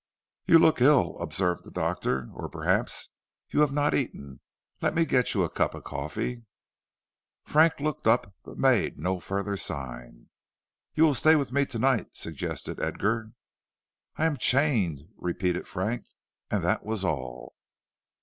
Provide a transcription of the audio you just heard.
"You look ill," observed the Doctor; "or perhaps you have not eaten; let me get you a cup of coffee." Frank looked up but made no further sign. "You will stay with me to night," suggested Edgar. "I am chained," repeated Frank, and that was all.